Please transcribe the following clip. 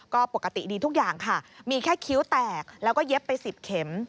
ก็ปกติดีทุกอย่างค่ะมีแค่คิ้วแตกแล้วก็เย็บไป๑๐เข็ม